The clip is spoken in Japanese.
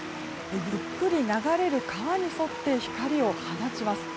ゆっくり流れる川に沿って光を放ちます。